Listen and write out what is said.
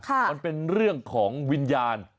มันเป็นเรื่องของวิญญาณ